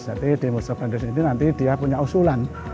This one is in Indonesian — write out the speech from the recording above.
jadi di muster bandes ini nanti dia punya usulan